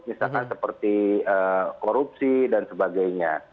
misalkan seperti korupsi dan sebagainya